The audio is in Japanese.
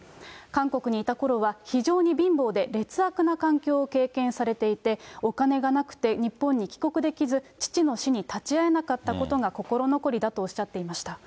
韓国にいたころは、非常に貧乏で、劣悪な環境を経験されていて、お金がなくて日本に帰国できず、父の死に立ち会えなかったことが心残りだとおっしゃっていました。